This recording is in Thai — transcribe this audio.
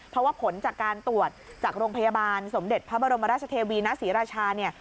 เพราะว่าผลจากการตรวจจากโรงพยาบาลสมเด็จพระบรมราชเทวีณศรีราชาเนี่ย